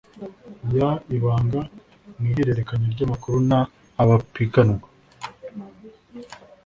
y ibanga mu ihererekanya ry amakuru n abapiganwa